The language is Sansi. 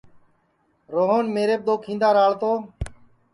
روہن میریپ دؔو کھیندا راݪ تو